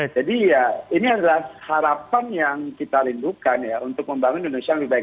jadi ini adalah harapan yang kita rindukan untuk membangun indonesia yang lebih baik